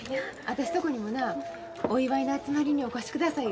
私とこにもなお祝いの集まりにお越しください